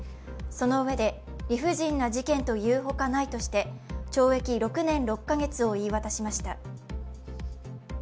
そのうえで、理不尽な事件というほかないとして懲役６年６カ月を言い渡しました。